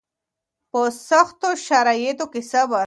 په سختو شرایطو کې صبر